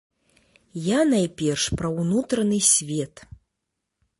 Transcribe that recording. Я найперш пра ўнутраны свет.